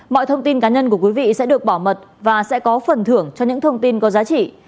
mọi thông tin cá nhân của quý vị sẽ được bảo mật và sẽ có phần thưởng cho những thông tin có giá trị